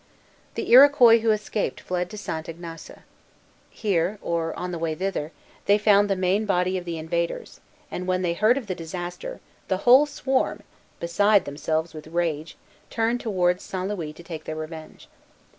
The Iroquois who escaped fled to St. Ignace. Here, or on the way thither, they found the main body of the invaders; and when they heard of the disaster, the whole swarm, beside themselves with rage, turned towards St. Louis to take their revenge.